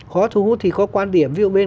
khó thu hút thì có quan điểm ví dụ bên